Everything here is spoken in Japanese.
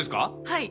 はい。